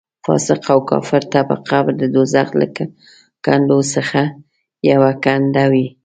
فاسق او کافر ته به قبر د دوزخ له کندو څخه یوه کنده وي.